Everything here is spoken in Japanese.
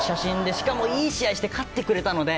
しかもいい試合して勝ってくれたので。